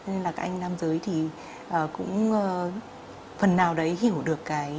nên là các anh nam giới thì cũng phần nào đấy hiểu được cái sự mà